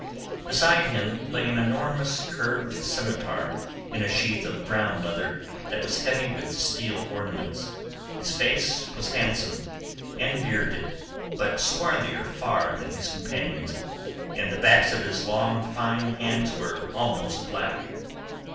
Beside him lay an enormous curved scimitar in a sheath of brown leather that was heavy with steel ornaments. His face was handsome, and bearded, but swarthier far than his companion's, and the backs of his long fine hands were almost black.